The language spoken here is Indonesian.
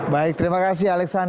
baik terima kasih alexandra